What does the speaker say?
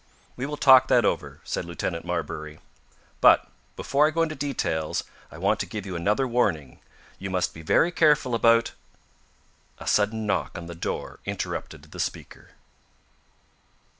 "We will talk that over," said Lieutenant Marbury. "But, before I go into details, I want to give you another warning. You must be very careful about " A sudden knock on the door interrupted the speaker.